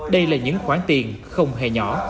đây là những khoản tiền không hề nhỏ